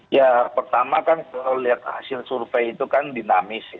ya pertama kan kalau lihat hasil survei itu kan dinamis ya